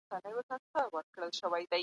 د ټول اقتصاد د توازن تيوري بشپړه نه ده.